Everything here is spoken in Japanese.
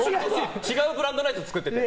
違うブランドのやつ作ってて。